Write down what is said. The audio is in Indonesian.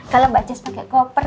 kalau mbak jess pakai koper